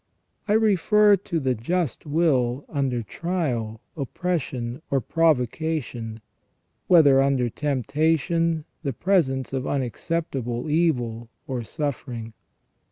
I refer to the just will under trial, opposition^ or provocation, whether under temptation, the presence of unacceptable evil, or suffering.